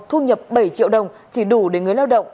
thu nhập bảy triệu đồng chỉ đủ để người lao động